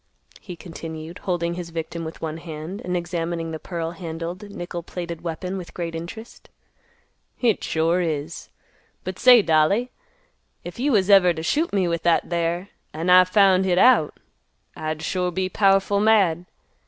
he continued, holding his victim with one hand, and examining the pearl handled, nickel plated weapon with great interest. "Hit sure is. But say, dolly, if you was ever t' shoot me with that there, an' I found hit out, I'd sure be powerful mad.